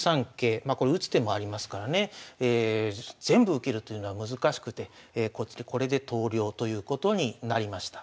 まあこれ打つ手もありますからね全部受けるというのは難しくてこれで投了ということになりました。